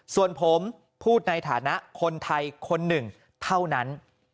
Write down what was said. ส่วนผมพูดในฐานะคนไทยคนหนึ่งเท่านั้น